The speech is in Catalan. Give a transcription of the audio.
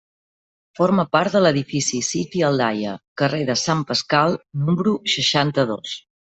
Forma part de l'edifici siti a Aldaia, carrer de Sant Pasqual, número seixanta-dos.